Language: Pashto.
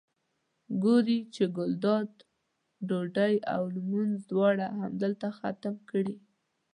ګوري چې ګلداد ډوډۍ او لمونځ دواړه همدلته ختم کړي.